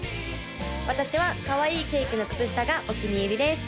私はかわいいケーキの靴下がお気に入りです